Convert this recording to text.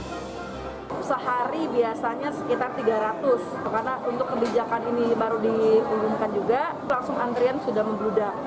sehari biasanya sekitar tiga ratus karena untuk kebijakan ini baru diumumkan juga langsung antrian sudah membludak